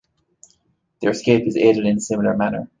Their escape is aided in a similar manner.